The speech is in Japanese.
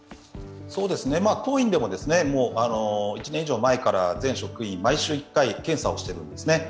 当院でも１年以上前から全職員毎週１回検査をしているんですね。